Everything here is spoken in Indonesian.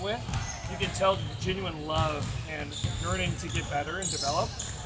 kita bisa mengatakan cinta dan berharap untuk menjadi lebih baik dan berkembang